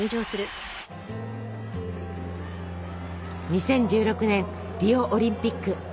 ２０１６年リオオリンピック。